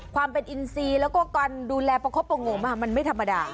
ความเป็นอินซีแล้วก็การดูแลประคบประงมมันไม่ธรรมดา